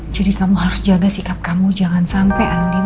jadi kamu harus jaga sikap kamu jangan sampai andin